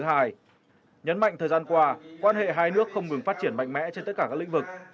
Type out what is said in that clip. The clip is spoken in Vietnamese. nhấn mạnh thời gian qua quan hệ hai nước không ngừng phát triển mạnh mẽ trên tất cả các lĩnh vực